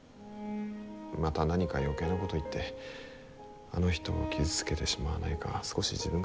また何か余計なこと言ってあの人を傷つけてしまわないか少し自分が心配です。